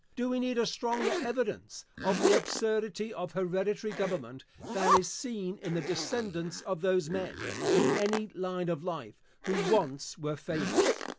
Do we need a stronger evidence of the absurdity of hereditary government than is seen in the descendants of those men, in any line of life, who once were famous?